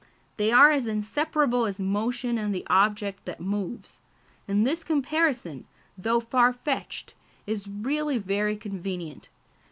They are as inseparable as motion and the object that moves; and this comparison, though far fetched, is really very convenient.